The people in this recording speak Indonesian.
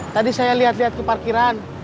tadi saya lihat lihat ke parkiran